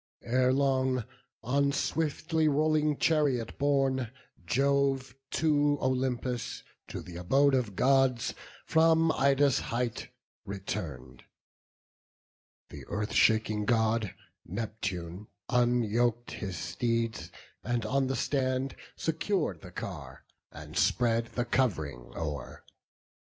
Ere long, on swiftly rolling chariot borne, Jove to Olympus, to th' abode of Gods, From Ida's height return'd: th' earth shaking God, Neptune, unyok'd his steeds; and on the stand Secur'd the car, and spread the cov'ring o'er.